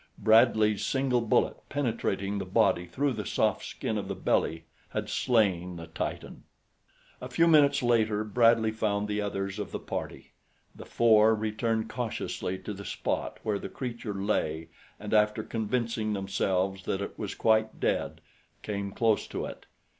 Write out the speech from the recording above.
Bradley's single bullet, penetrating the body through the soft skin of the belly, had slain the Titan. A few minutes later, Bradley found the others of the party. The four returned cautiously to the spot where the creature lay and after convincing themselves that it was quite dead, came close to it.